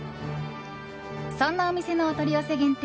そんなお店のお取り寄せ限定